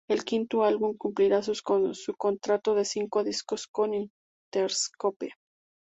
El quinto álbum cumplirá su contrato de cinco discos con Interscope.